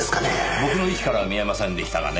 僕の位置からは見えませんでしたがね